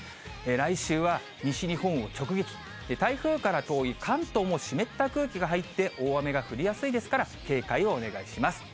来週は西日本を直撃、台風から遠い関東も湿った空気が入って大雨が降りやすいですから、警戒をお願いします。